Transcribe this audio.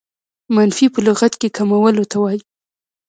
منفي په لغت کښي کمولو ته وايي.